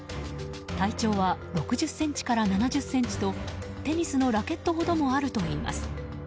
体長は６０ｃｍから７０ｃｍとテニスのラケットほどもあるといいます。